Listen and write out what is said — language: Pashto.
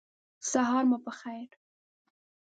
سهار مو په خیر !